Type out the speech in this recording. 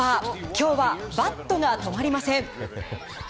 今日はバットが止まりません。